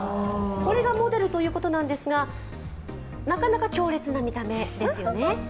これがモデルということなんですが、なかなか強烈な見た目ですよね。